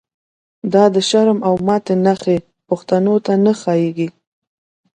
دا د شرم او ماتی نښی، پښتنو ته نه ښا ييږی